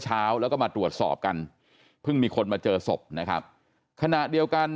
เช้าแล้วก็มาตรวจสอบกันเพิ่งมีคนมาเจอศพนะครับขณะเดียวกัน